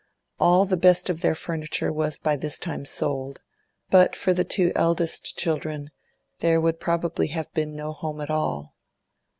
All the best of their furniture was by this time sold; but for the two eldest children, there would probably have been no home at all.